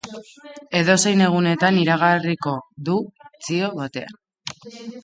Edozein egunetan iragarriko du, txio batean.